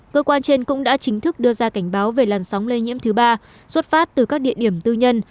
cơ quan trên cũng đã chính thức đưa ra cảnh báo về làn sóng lây nhiễm thứ ba xuất phát từ các địa điểm tư nhân